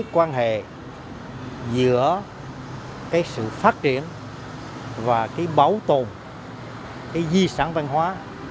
quan hệ giữa sự phát triển và bảo tồn di sản văn hóa